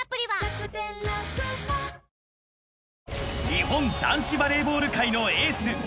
［日本男子バレーボール界のエース石川祐希選手］